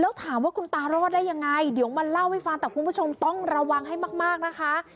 แล้วถามว่าคุณตารอดได้ยังไงเดี๋ยวมาเล่าให้ฟังแต่คุณผู้ชมต้องระวังให้มากนะคะ